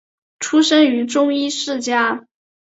出生于中医世家。